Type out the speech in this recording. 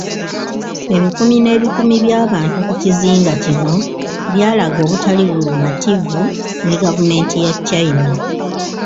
Ebikumi n'ebikumi by'abantu ku kizinga kino byalaga obutali bumativu ne gavumenti ya China.